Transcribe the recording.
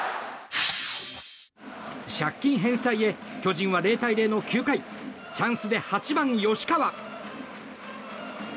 借金返済へ巨人は０対０の９回チャンスで８番、吉川。